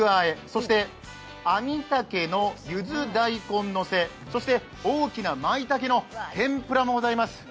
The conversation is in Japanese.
そして、あみたけのゆず大根乗せそして、大きなまいたけの天ぷらもございます。